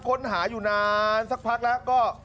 ค้นหาอยู่นานสักพักแล้วก็